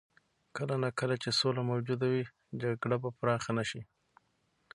کله نا کله چې سوله موجوده وي، جګړه به پراخه نه شي.